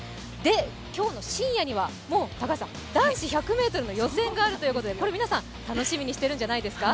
今日の深夜にはもう男子１００ｍの予選があるということでこれ皆さん、楽しみにしているんじゃないですか？